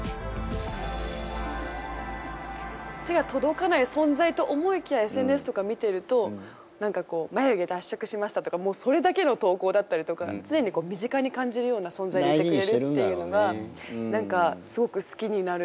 手が届かない存在と思いきやＳＮＳとか見てると何かこう眉毛脱色しましたとかもうそれだけの投稿だったりとか常にこう身近に感じるような存在でいてくれるっていうのが何かすごく好きになる。